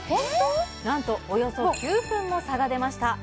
なんとおよそ９分も差が出ました